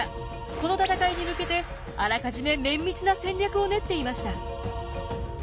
この戦いに向けてあらかじめ綿密な戦略を練っていました。